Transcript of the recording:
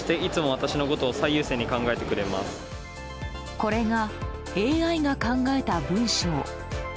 これが、ＡＩが考えた文章。